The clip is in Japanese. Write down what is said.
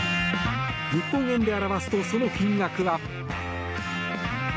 日本円で表すと、その金額は。